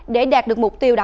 để đạt được mục tiêu đó